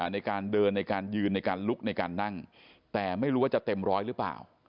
ในการเดินในการยืนในการลุกในการนั่งแต่ไม่รู้ว่าจะเต็มร้อยหรือเปล่า